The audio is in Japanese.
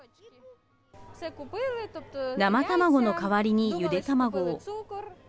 生卵の代わりにゆで卵を。